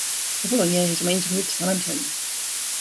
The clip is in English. The following year, his remains were moved to San Antonio.